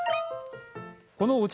このお茶